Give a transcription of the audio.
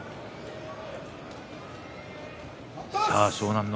湘南乃